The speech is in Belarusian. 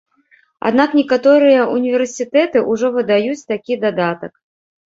Аднак некаторыя ўніверсітэты ўжо выдаюць такі дадатак.